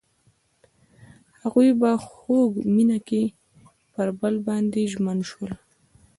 هغوی په خوږ مینه کې پر بل باندې ژمن شول.